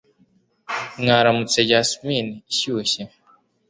mwaramutse jasimine ishyushye